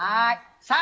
さあ